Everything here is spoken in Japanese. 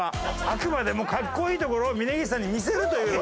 あくまでもかっこいいところを峯岸さんに見せるという。